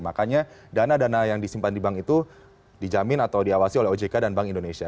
makanya dana dana yang disimpan di bank itu dijamin atau diawasi oleh ojk dan bank indonesia